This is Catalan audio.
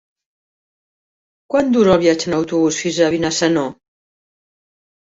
Quant dura el viatge en autobús fins a Benissanó?